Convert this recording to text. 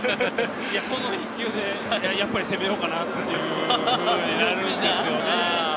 この一球で、やっぱり攻めようかなっていうふうになるんですよね。